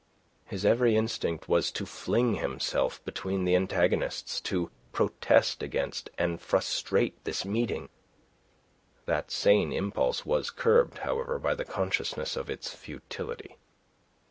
His every instinct was to fling himself between the antagonists, to protest against and frustrate this meeting. That sane impulse was curbed, however, by the consciousness of its futility.